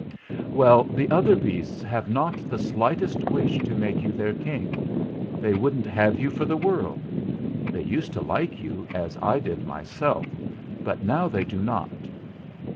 Well, the other beasts have not the slightest wish to make you their King. They wouldn't have you for the world. They used to like you as I did myself but now they do not.